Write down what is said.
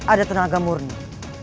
ada tenaga murni